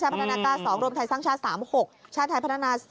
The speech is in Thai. พัฒนาการ๒รวมไทยสร้างชาติ๓๖ชาติไทยพัฒนา